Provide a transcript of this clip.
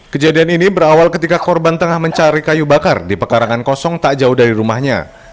kejadian ini berawal ketika korban tengah mencari kayu bakar di pekarangan kosong tak jauh dari rumahnya